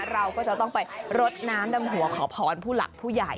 เราก็จะต้องไปรดน้ำดำหัวขอพรผู้หลักผู้ใหญ่